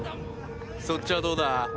そっちはどうだ？